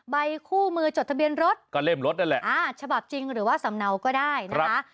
ใบคู่มือจดทะเบียนรถก็เล่มรถนั่นแหละอ่าฉบับจริงหรือว่าสำเนาก็ได้นะคะ